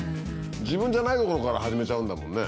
自分じゃないところから始めちゃうんだもんね。